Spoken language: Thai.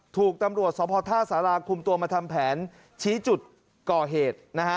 ถูกตำรวจสพท่าสาราคุมตัวมาทำแผนชี้จุดก่อเหตุนะฮะ